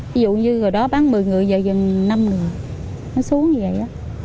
thí dụ như hồi đó bán một mươi người giờ gần năm người nó xuống như vậy á